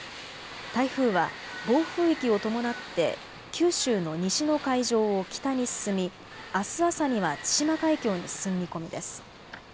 台風は暴風域を伴って九州の西の海上を北に進み、あす朝には対馬海峡に進む見込みです。